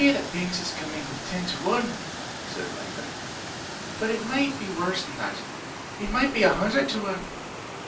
"They say that Banks is coming with ten to one!" said Langdon, "but it might be worse than that. It might be a hundred to one."